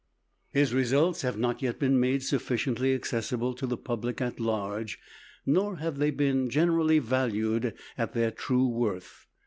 His results have not yet been made sufficiently accessible to the public at large, nor have they been generally valued at their true worth.